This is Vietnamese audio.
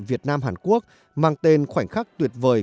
việt nam là một nơi tuyệt vời